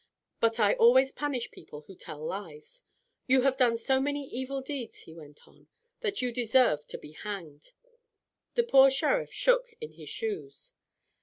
But I always punish people who tell lies. You have done so many evil deeds," he went on, "that you deserve to be hanged." The poor Sheriff shook in his shoes.